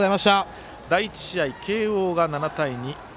第１試合、慶応が７対２。